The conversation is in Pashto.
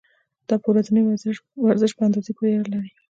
دا په ورځني ورزش په اندازې پورې اړه لري.